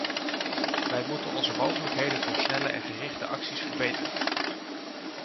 Wij moeten onze mogelijkheden voor snelle en gerichte acties verbeteren.